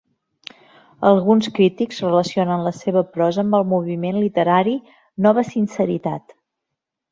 Alguns crítics relacionen la seva prosa amb el moviment literari Nova sinceritat.